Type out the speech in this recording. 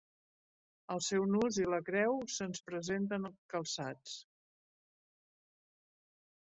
El seu nus i la creu se'ns presenten calçats.